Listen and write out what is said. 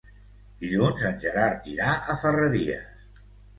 Dilluns en Gerard irà a Ferreries.